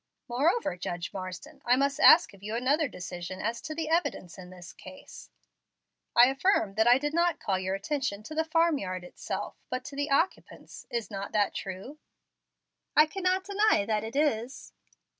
Moreover, Judge Marsden, I must ask of you another decision as to the evidence in this case. I affirm that I did not call your attention to the farm yard itself, but to its occupants. Is not that true?" "I cannot deny that it is."